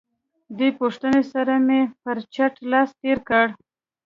دې پوښتنې سره مې پر څټ لاس تېر کړ.